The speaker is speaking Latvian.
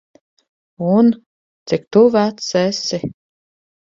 Un, cik tu vecs esi?